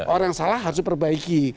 orang salah harus diperbaiki